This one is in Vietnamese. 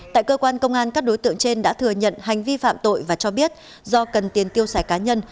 tại cơ quan công an các đối tượng trên đã thừa nhận hành vi phạm tội và cho biết do cần tiền tiêu xài cá nhân